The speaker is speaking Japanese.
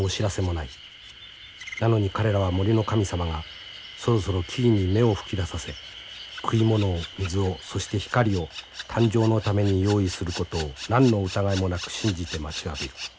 なのに彼らは森の神様がそろそろ木々に芽を吹き出させ食い物を水をそして光を誕生のために用意することを何の疑いもなく信じて待ちわびる。